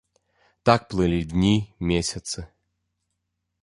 Так плылі дні, месяцы.